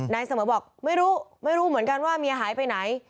นายเสมอบอกไม่รู้เหมือนกันว่าเมียหายไปไหน